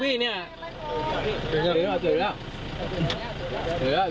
เจ๋อแล้วเจ๋อแล้ว